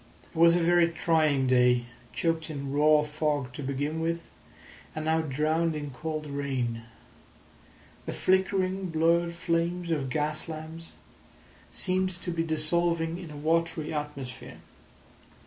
It was a very trying day, choked in raw fog to begin with, and now drowned in cold rain. The flickering, blurred flames of gas lamps seemed to be dissolving in a watery atmosphere.